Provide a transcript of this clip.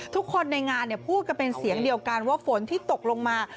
ทุกคนในงานพูดกันเป็นเสียงเดียวกันว่าฝนที่ตกลงมา